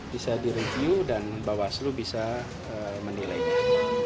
saya menilai review dan bawaslu bisa menilainya